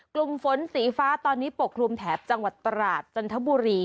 กลุ่มฝนสีฟ้าตอนนี้ปกคลุมแถบจังหวัดตราดจันทบุรี